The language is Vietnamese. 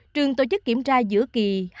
trường tổ chức kiểm tra giữa kỳ hai